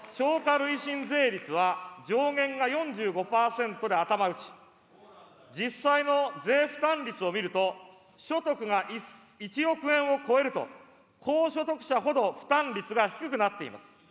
累進税率は上限が４５％で頭打ち、実際の税負担率を見ると、所得が１億円を超えると、高所得者ほど負担率が低くなっています。